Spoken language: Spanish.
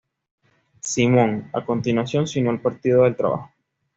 Simon, a continuación, se unió al Partido del Trabajo.